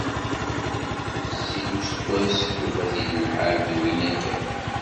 Yezzi-d useggas, yufa-t-id lḥal d winna kan.